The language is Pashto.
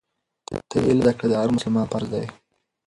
د علم زده کړه د هر مسلمان فرض دی.